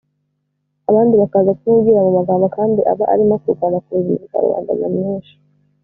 abandi bakaza kubimubwira mu magambo kandi aba arimo kurwana ku buzima bwa rubanda nyamwinshi